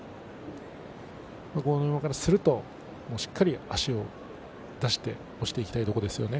豪ノ山からするとしっかり足を出して押していきたいところですね。